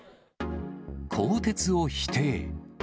更迭を否定。